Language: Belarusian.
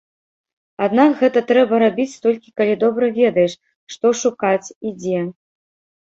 Аднак, гэта трэба рабіць толькі калі добра ведаеш, што шукаць і дзе.